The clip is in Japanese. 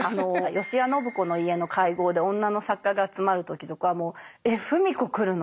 吉屋信子の家の会合で女の作家が集まる時とか「えっ芙美子来るの？」